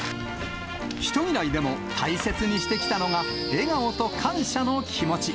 人嫌いでも、大切にしてきたのが、笑顔と感謝の気持ち。